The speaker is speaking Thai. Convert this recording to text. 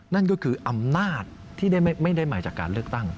นั่นก็คืออำนาจที่ไม่ได้มาจากการเลือกตั้ง